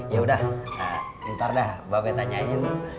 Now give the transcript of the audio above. yaudah ntar dah bapak tanyain